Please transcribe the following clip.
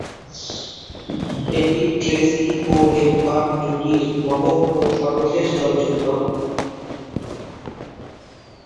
এটি ট্রেসি ও হেপবার্ন জুটির নবম ও সর্বশেষ চলচ্চিত্র।